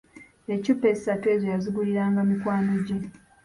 Eccupa essatu ezo yaziguliranga mikwano gye.